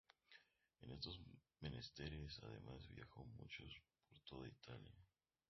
En estos menesteres además viajó mucho por toda Italia.